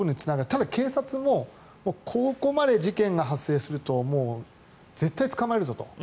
ただ、警察もここまで事件が発生すると絶対に捕まえるぞと。